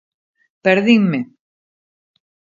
Perdinme.